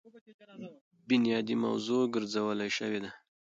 بنيادي موضوع ګرځولے شوې ده.